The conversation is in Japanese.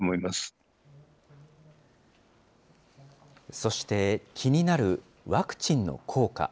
そして、気になるワクチンの効果。